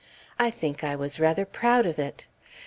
I think I was rather proud of it.